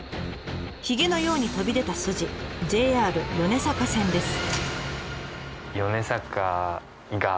ヒゲのように飛び出たスジＪＲ米坂線です。